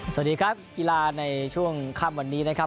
สวัสดีครับกีฬาในช่วงค่ำวันนี้นะครับ